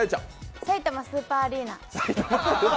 さいたまスーパーアリーナ。